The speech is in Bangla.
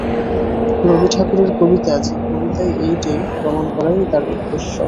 রবি ঠাকুরের কবিতা যে কবিতাই এইটে প্রমাণ করাই তার উদ্দেশ্য।